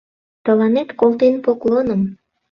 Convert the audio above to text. Тыланет колтен поклоным